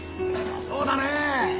そうだね。